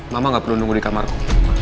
mama gak perlu nunggu di kamarku